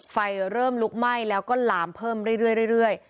ไฟเริ่มลุกไหม้แล้วก็หลามเพิ่มเรื่อย